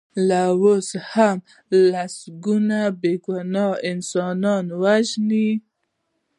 لا اوس هم لسګونه بې ګناه انسانان وژني.